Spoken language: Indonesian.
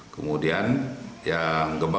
kemudian yang gempa